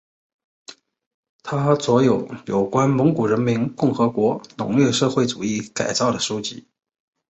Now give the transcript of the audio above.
他着有有关蒙古人民共和国农业社会主义改造的书籍。